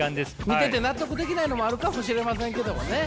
見てて納得できないのもあるかもしれませんけどもね。